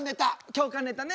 共感ネタね。